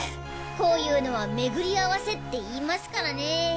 こういうのは巡り合わせって言いますからね。